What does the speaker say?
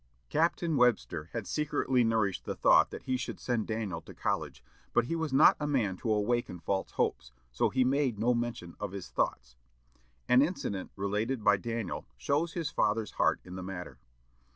Captain Webster had secretly nourished the thought that he should send Daniel to college, but he was not a man to awaken false hopes, so he made no mention of his thoughts. An incident related by Daniel shows his father's heart in the matter.